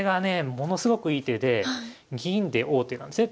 ものすごくいい手で銀で王手なんですね。